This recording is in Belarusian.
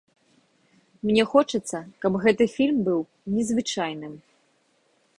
Мне хочацца, каб гэты фільм быў незвычайным.